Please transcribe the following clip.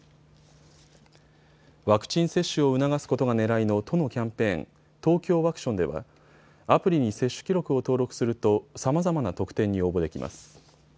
ワクチン接種を促すことがねらいの都のキャンペーン、ＴＯＫＹＯワクションではアプリに接種記録を登録するとさまざまな特典に応募できます。